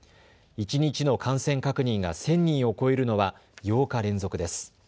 一日の感染確認が１０００人を超えるのは８日連続です。